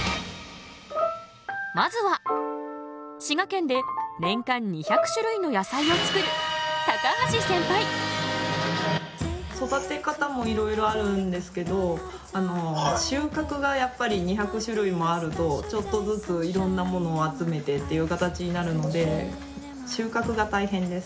まずは滋賀県で年間２００種類の野菜を作る育て方もいろいろあるんですけど収穫がやっぱり２００種類もあるとちょっとずついろんなものを集めてっていう形になるので収穫が大変です。